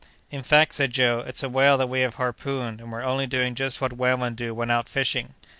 "In fact," said Joe, "it's a whale that we have harpooned; and we're only doing just what whalemen do when out fishing."